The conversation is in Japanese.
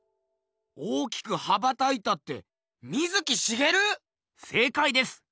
大きく羽ばたいたって水木しげる⁉せいかいです！